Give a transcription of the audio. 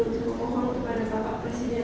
untuk mohon kepada bapak presiden